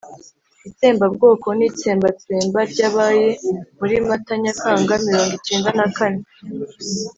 itsembabwoko n'itsembatsemba ryabaye muri mata - nyakanga mirongo icyenda na kane